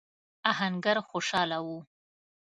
آهنګر خوشاله و.